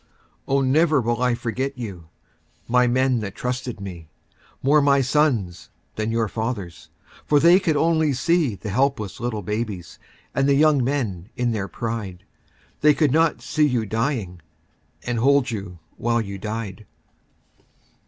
Oh, never will I forget you, My men that trusted me. More my sons than your fathers'. For they could only see The little helpless babies And the young men in their pride. They could not see you dying. And hold you while you died.